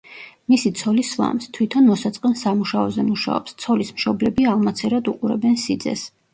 მისი ცოლი სვამს, თვითონ მოსაწყენ სამუშაოზე მუშაობს, ცოლის მშობლები ალმაცერად უყურებენ სიძეს.